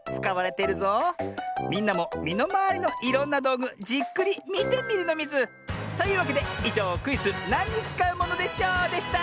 みんなもみのまわりのいろんなどうぐじっくりみてみるのミズ！というわけでいじょうクイズ「なんにつかうものでショー」でした！